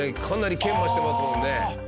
かなり研磨してますもんね。